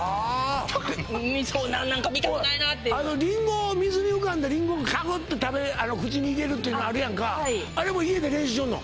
そう何か見たくないなっていう水に浮かんだリンゴをガブッて口に入れるっていうのあるやんかあれも家で練習しよるの？